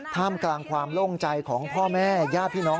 ท่ามกลางความโล่งใจของพ่อแม่ญาติพี่น้อง